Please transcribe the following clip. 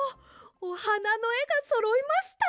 おはなのえがそろいました！